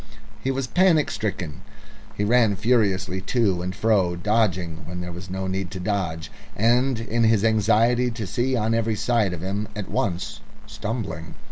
He was panic stricken. He ran furiously to and fro, dodging when there was no need to dodge, and in his anxiety to see on every side of him at once, stumbling.